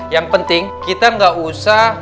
yang penting kita nggak usah